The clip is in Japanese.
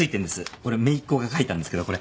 これめいっ子が描いたんですけどこれ。